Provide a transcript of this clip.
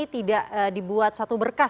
tidak dibuat satu berkas